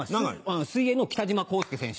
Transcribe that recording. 水泳の北島康介選手